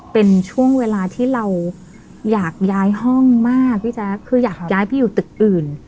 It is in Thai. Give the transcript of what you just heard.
เป็นช่วงเวลาที่เราอยากย้ายห้องมากพี่แจ๊คคืออยากย้ายไปอยู่ตึกอื่น